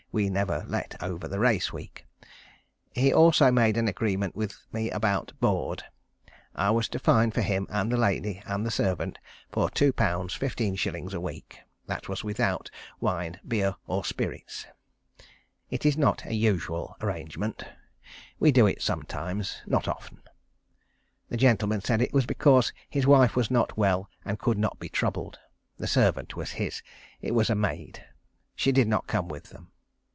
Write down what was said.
We never let over the race week. He also made an agreement with me about board. I was to find for him and the lady, and the servant, for 2_l_. 15_s_. a week. That was without wine, beer, or spirits. It is not a usual arrangement. We do it sometimes not often. The gentleman said it was because his wife was not well, and could not be troubled. The servant was his. It was a maid. She did not come with them.